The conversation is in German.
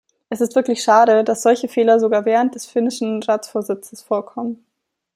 Es ist wirklich schade, dass solche Fehler sogar während des finnischen Ratsvorsitzes vorkommen.